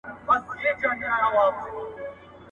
دوږخ که تود دئ، که سوړ، زموږ ورته مخ دئ.